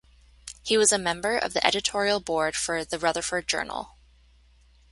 He was a member of the editorial board for "The Rutherford Journal".